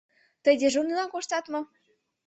— Тый дежурныйлан коштат мо?